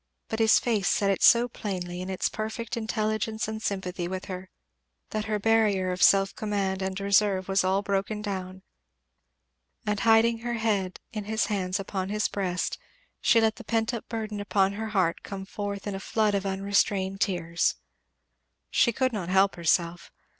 But his face said it so plainly, in its perfect intelligence and sympathy with her, that her barrier of self command and reserve was all broken down; and hiding her head in her hands upon his breast she let the pent up burden upon her heart come forth in a flood of unrestrained tears. She could not help herself.